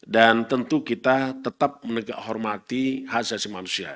dan tentu kita tetap menegak hormati hak jahat manusia